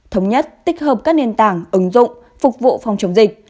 thống nhất tích hợp các nền tảng ứng dụng phục vụ phòng chống dịch